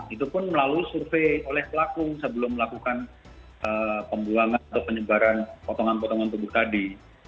itu pun melalui survei oleh pelaku sebelum melakukan pembuangan atau penyebaran potongan potongan tubuh tadi